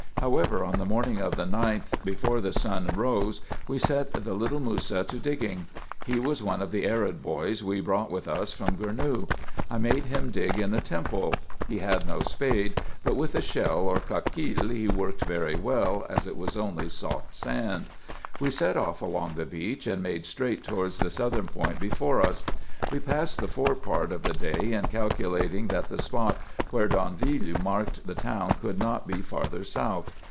However, on the morning of the 9th, before the sun rose, we set the little Mussa to digging. He was one of the Arab boys we brought with us from Gournou. I made him dig in the temple. He had no spade ; but with a shell or caquille he worked very well, as it was only soft sand. We set off along the beach, and made straight towards the southern point before us. We passed the fore part of the day in calculating that the spot where D'Anville marked the town could not be farther south.